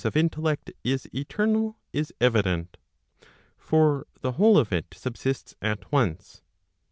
413 of intellect is eternal, is evident. 1 For the whole of it subsists at once.